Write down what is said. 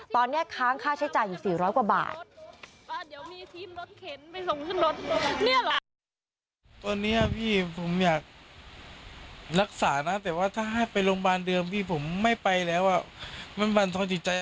ตอนนี้ค้างค่าใช้จ่ายอยู่๔๐๐กว่าบาท